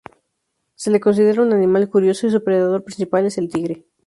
Se le considera un animal curioso y su predador principal es el tigre.